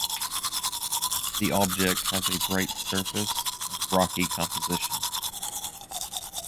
The object has a bright surface and rocky composition.